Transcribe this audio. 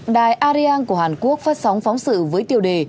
đài ariang của hàn quốc phát sóng phóng sự với tiêu đề